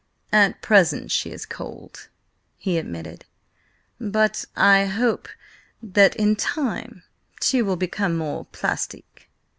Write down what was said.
"At present she is cold," he admitted, "but I hope that in time she will become more plastic.